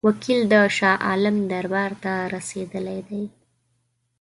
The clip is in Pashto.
وکیل د شاه عالم دربار ته رسېدلی دی.